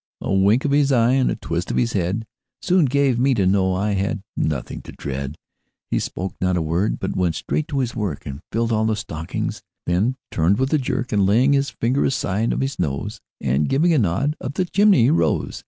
A wink of his eye, and a twist of his head, Soon gave me to know I had nothing to dread. He spoke not a word, but went straight to his work, And filled all the stockings; then turned with a jerk, And laying his finger aside of his nose, And giving a nod, up the chimney he rose.